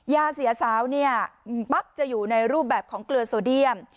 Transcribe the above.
ยาเสียสาวจะอยู่ในรูปแบบของเกลือโซเดียม